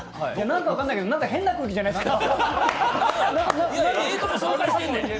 何か分かんないけど、変な空気じゃないですか？